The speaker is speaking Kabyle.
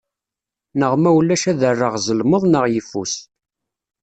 Neɣ ma ulac ad rreɣ zelmeḍ neɣ yeffus.